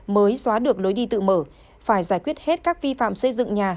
mới xóa được lối đi tự mở phải giải quyết hết các vi phạm xây dựng nhà